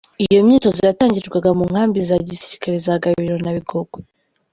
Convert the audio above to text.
Iyo myitozo yatangirwaga mu nkambi za gisirikare za Gabiro na Bigogwe.